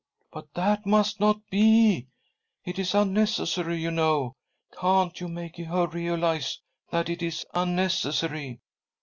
■ 1 «" But that must not be ! It is unnecessary, you know. Can't you make her realise that it. is unnecessary?"